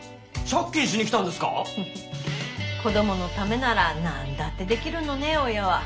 フフ子供のためなら何だってできるのね親は。